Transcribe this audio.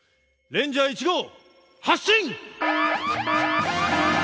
レンジャー１号発進！